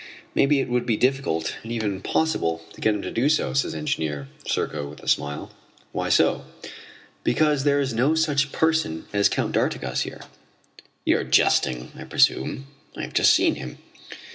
"Maybe it would be difficult, and even impossible to get him to do so," says Engineer Serko with a smile. "Why so?" "Because there is no such person as Count d'Artigas here." "You are jesting, I presume; I have just seen him."